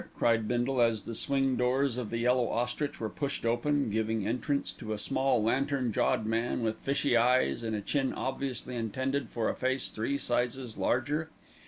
cried Bindle as the swing doors of The Yellow Ostrich were pushed open, giving entrance to a small lantern jawed man, with fishy eyes and a chin obviously intended for a face three sizes larger.